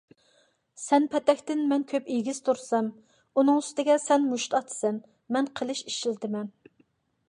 سەن پەتەكتىن مەن كۆپ ئېگىز تۇرسام، ئۇنىڭ ئۈستىگە سەن مۇشت ئاتىسەن، مەن قىلىچ ئىشلىتىمەن.